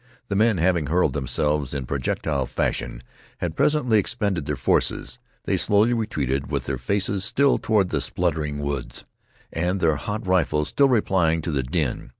The men, having hurled themselves in projectile fashion, had presently expended their forces. They slowly retreated, with their faces still toward the spluttering woods, and their hot rifles still replying to the din.